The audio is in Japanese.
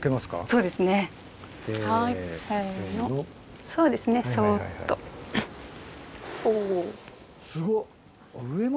そうですねそっと。